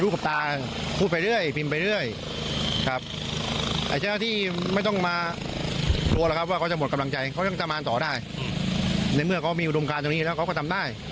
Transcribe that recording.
เขาต้องตามมาต่อได้ในเมื่อเขามีอุดมการตรงนี้แล้วเขาก็ทำได้